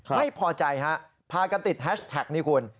ไม่พอใจฮะพากันติดแฮชแท็กนี่คุณ